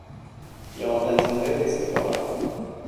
Ja, den som det visste bara!